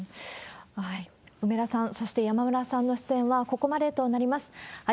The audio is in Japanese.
梅田さん、そして山村さんの出演はここまでとなります。